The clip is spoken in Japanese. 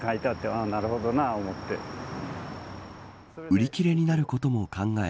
売り切れになることも考え